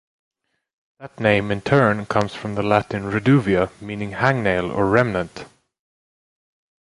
That name, in turn, comes from the Latin "reduvia", meaning "hangnail" or "remnant".